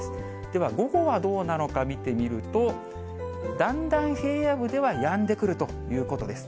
では、午後はどうなのか見てみると、だんだん平野部ではやんでくるということです。